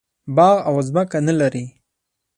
باغ او ځمکه نه لري.